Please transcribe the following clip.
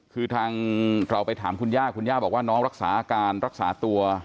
คือทางเราไปถามคุณย่าคุณย่าบอกว่าน้องรักษาอาการรักษาตัว